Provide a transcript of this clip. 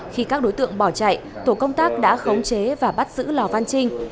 khi các đối tượng bỏ chạy tổ công tác đã khống chế và bắt giữ lò văn trinh